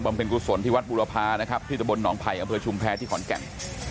เน็กกุศลที่วัดบุรพานะครับที่ตะบลหนองไผ่อำเภอชุมแพรที่ขอนแก่น